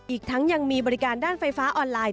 อีกทั้งยังมีบริการด้านไฟฟ้าออนไลน์